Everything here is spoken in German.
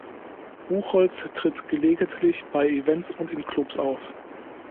Buchholz tritt gelegentlich bei Events und in Clubs auf.